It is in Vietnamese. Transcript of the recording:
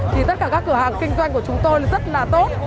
thì tất cả các cửa hàng kinh doanh của chúng tôi rất là tốt